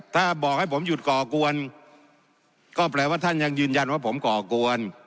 ถ้าบอกให้ผมหยุดก่อกวนก็แปลว่าท่านยังยืนยันว่าผมก่อกวน